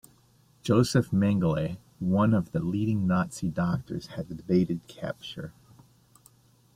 Josef Mengele, one of the leading Nazi doctors, had evaded capture.